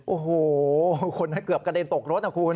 โอ้โหคนเกือบกระเด็นตกรถนะคุณ